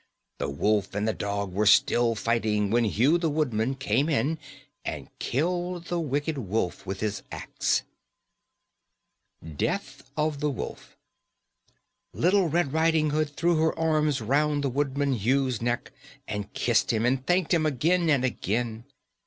The wolf and the dog were still fighting when Hugh, the woodman, came in and killed the wicked wolf with his axe. [Illustration: DEATH OF THE WOLF.] DEATH OF THE WOLF. Little Red Riding Hood threw her arms round the woodman Hugh's neck and kissed him, and thanked him again and again.